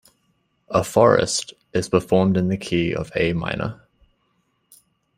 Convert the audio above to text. "A Forest" is performed in the key of A minor.